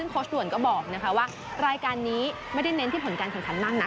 โคชด่วนก็บอกว่ารายการนี้ไม่ได้เน้นที่ผลการฐานตานั้น